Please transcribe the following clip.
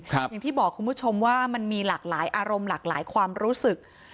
อย่างที่บอกคุณผู้ชมว่ามันมีหลากหลายอารมณ์หลากหลายความรู้สึก